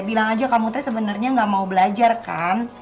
bilang aja kamu teh sebenernya gak mau belajar kan